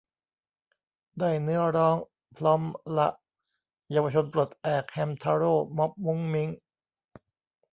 ได้เนื้อร้อง พร้อมละ เยาวชนปลดแอก แฮมทาโร่ ม็อบมุ้งมิ้ง